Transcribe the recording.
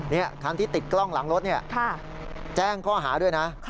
นี่คันที่ติดกล้องหลังรถเนี่ยแจ้งข้อหาด้วยนะ